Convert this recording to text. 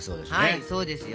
はいそうですよ。